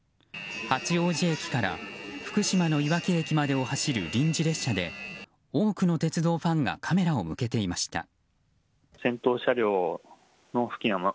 八王子駅から福島のいわき駅までを走る臨時列車で多くの鉄道ファンがカメラを向けていました。